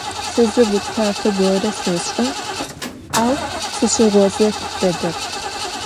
Se zı gutsafe gore seş'ı, au sışığoze dedep.